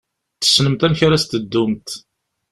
Tessnemt amek ara s-teddumt.